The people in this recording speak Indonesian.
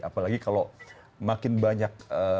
apalagi kalau makin banyak